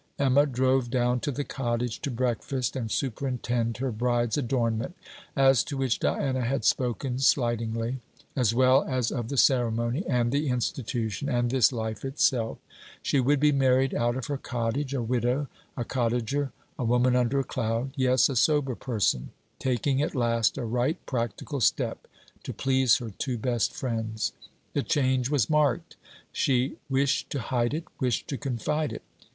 Emma drove down to the cottage to breakfast and superintend her bride's adornment, as to which, Diana had spoken slightingly; as well as of the ceremony, and the institution, and this life itself: she would be married out of her cottage, a widow, a cottager, a woman under a cloud; yes, a sober person taking at last a right practical step, to please her two best friends. The change was marked. She wished to hide it, wished to confide it.